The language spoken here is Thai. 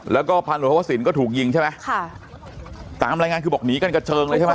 แล้วก็พันธวสินก็ถูกยิงใช่ไหมค่ะตามรายงานคือบอกหนีกันกระเจิงเลยใช่ไหม